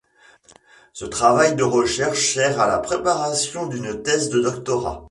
Ce travail de recherche sert à la préparation d'une thèse de doctorat.